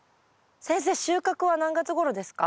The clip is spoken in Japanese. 先生収穫は何月ごろですか？